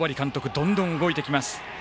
どんどん動いてきます。